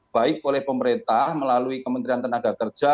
baik oleh pemerintah melalui kementerian tenaga kerja